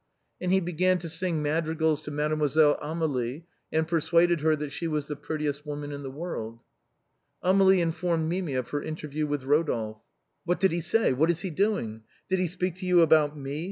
And he began to sing madrigals to Mademoiselle Amélie, and persuaded her that she was the prettiest woman in the world. Amélie informed Mimi of her interview with Rodolphe. " What did he say ? What is he doing ? Did he speak to you about me